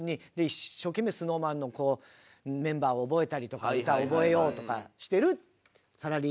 一生懸命ＳｎｏｗＭａｎのメンバーを覚えたりとか歌を覚えようとかしてるサラリーマンの悲哀。